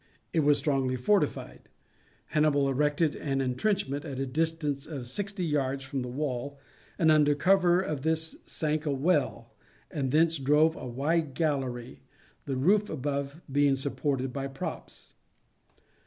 It was strongly fortified. Hannibal erected an intrenchment at a distance of sixty yards from the wall, and under cover of this sank a well, and thence drove a wide gallery, the roof above being supported by props.